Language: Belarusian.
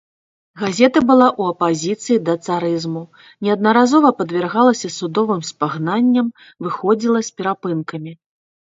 Газета была ў апазіцыі да царызму, неаднаразова падвяргалася судовым спагнанням, выходзіла з перапынкамі.